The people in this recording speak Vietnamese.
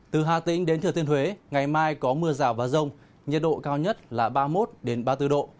từ hà tĩnh đến thừa thiên huế ngày mai có mưa rào và rông nhiệt độ cao nhất là ba mươi một ba mươi bốn độ